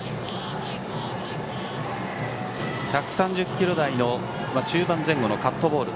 １３０キロ台中盤前後のカットボール